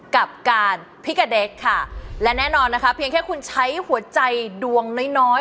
กับการพิกะเด็กค่ะและแน่นอนนะคะเพียงแค่คุณใช้หัวใจดวงน้อยน้อย